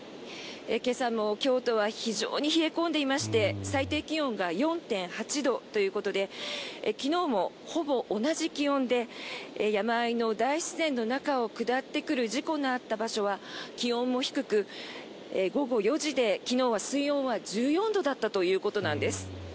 今朝も京都は非常に冷え込んでいまして最低気温が４．８度ということで昨日もほぼ同じ気温で山あいの大自然の中を下ってくる事故のあった場所は気温も低く午後４時で昨日は水温は１４度だったということなんです。